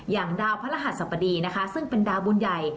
อย่างดาวพระรหัสสบดีนะคะซึ่งเป็นดาวบุญใหญ่